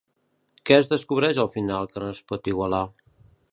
Què es descobreix al final que no es pot igualar?